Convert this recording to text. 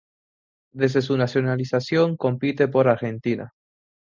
Desde su nacionalización, compite por Argentina.